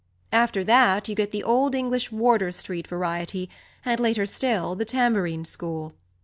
After that you get the Old English Wardour Street variety, and, later still, the tambourin school.